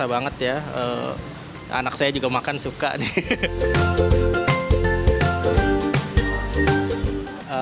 banget ya anak saya juga makan suka nih